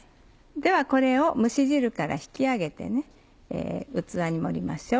ではこれを蒸し汁から引き上げて器に盛りましょう。